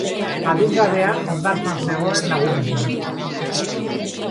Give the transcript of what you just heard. Adingabea hondartzan zegoen lagunekin.